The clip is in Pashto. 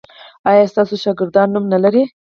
ایا ستاسو شاګردان نوم نلري؟